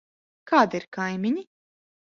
Kādi ir kaimiņi?